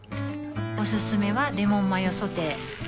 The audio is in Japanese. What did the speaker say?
おすすめはレモンマヨソテー